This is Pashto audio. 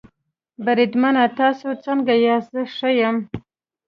بریدمنه تاسې څنګه یاست؟ زه ښه یم.